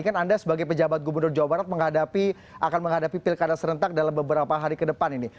kan anda sebagai pejabat gubernur jawa barat akan menghadapi pilkada serentak dalam beberapa hari ke depan ini